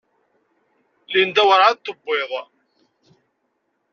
Linda werɛad d-tuwiḍ.